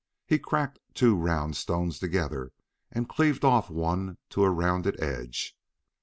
He cracked two round stones together, and cleaved off one to a rounded edge.